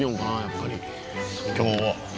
やっぱり今日は。